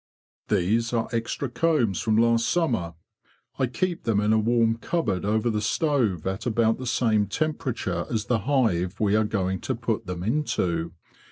""These are extra combs from last summer. I keep them in a warm cupboard over the stove at about the same temperature as the hive we are going to put them into.